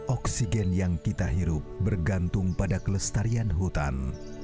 oksigen yang kita hirup bergantung pada kelestarian hutan